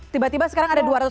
tiba tiba sekarang ada dua ratus